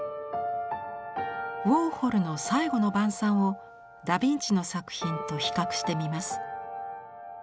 ウォーホルの「最後の晩餐」をダ・ヴィンチの作品と比較してみます。